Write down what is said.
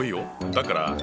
だから。